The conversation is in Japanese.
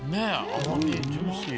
甘みジューシー。